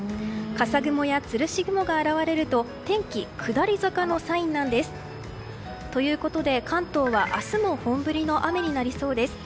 笠雲やつるし雲が現れると天気下り坂のサインなんです。ということで関東は明日も本降りの雨になりそうです。